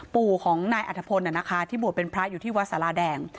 ปู่ของนายอาจทพลน่ะนะคะที่บวชเป็นพระอยู่ที่วัฒน์สระแดง